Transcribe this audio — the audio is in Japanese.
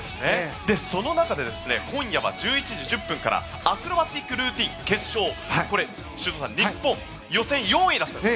その中で今夜は１１時１０分からアクロバティックルーティン決勝修造さん、日本は予選４位だったんです。